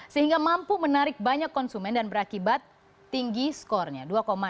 sehingga mampu menarik banyak konsumen dan berakibat tinggi skornya